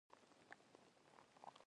زړه يې سستي ورکوله.